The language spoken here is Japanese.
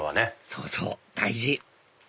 そうそう大事！